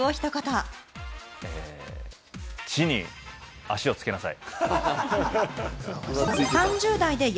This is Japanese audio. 地に足をつけなさい。